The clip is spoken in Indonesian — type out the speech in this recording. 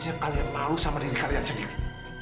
seharusnya kalian malu sama diri kalian sendiri